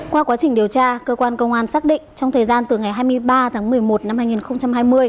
qua quá trình điều tra cơ quan công an xác định trong thời gian từ ngày hai mươi ba tháng một mươi một năm hai nghìn hai mươi